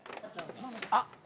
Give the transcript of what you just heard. あっ。